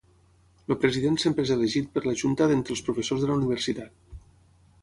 El president sempre és elegit per la junta d'entre els professors de la universitat.